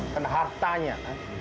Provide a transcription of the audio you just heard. dan hartanya kan